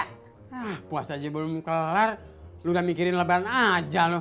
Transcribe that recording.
ah puas aja belum kelar lu udah mikirin lebaran aja loh